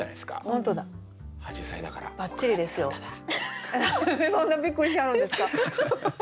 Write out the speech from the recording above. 何でそんなびっくりしはるんですか？